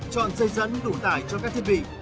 chọn dây dẫn đủ tải cho các thiết bị